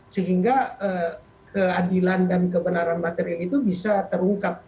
sehingga keadilan dan kebenaran material itu bisa terungkap